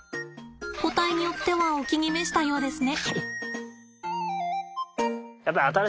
個体によってはお気に召したようですね。